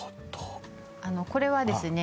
これはですね